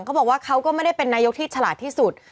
เขาก็ไม่ได้เป็นนายกที่ฉลาดที่สุด